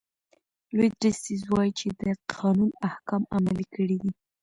لوی درستیز وایي چې ده قانوني احکام عملي کړي دي.